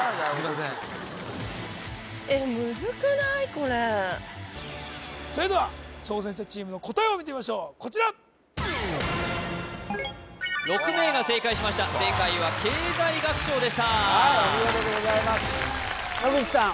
これそれでは挑戦者チームの答えを見てみましょうこちら６名が正解しました正解は経済学賞でしたはいお見事でございます野口さん